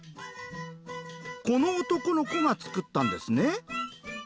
この男の子が作ったんですね。